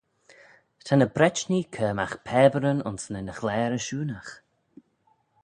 Ta ny Bretnee cur magh pabyryn ayns nyn ghlaare ashoonagh.